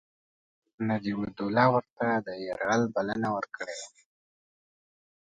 نجیب الدوله ورته د یرغل بلنه ورکړې وه.